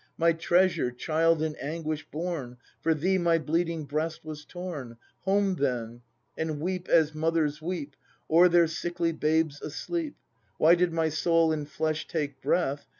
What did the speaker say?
My treasure, child in anguish born. For thee my bleeding breast was torn; — Home then, and weep as mothers weep Over their sickly babes asleep. — Why did my soul in flesh take breath.